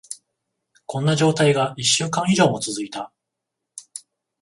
こんな状態が一週間以上も続いた。